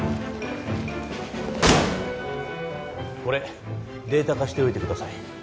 これデータ化しておいてください